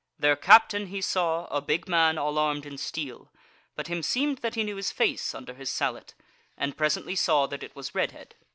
Their captain he saw, a big man all armed in steel, but himseemed that he knew his face under his sallet, and presently saw that it was Redhead.